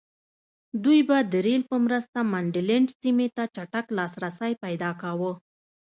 دوی به د رېل په مرسته منډلینډ سیمې ته چټک لاسرسی پیدا کاوه.